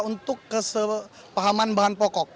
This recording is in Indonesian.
untuk kesepahaman bahan pokok